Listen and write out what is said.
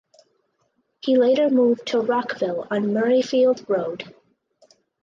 He later moved to "Rockville" on Murrayfield Road.